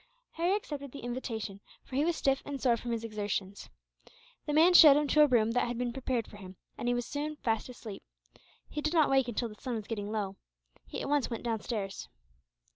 Harry accepted the invitation, for he was stiff and sore from his exertions. The man showed him to a room that had been prepared for him, and he was soon fast asleep. He did not awake until the sun was getting low. He at once went downstairs.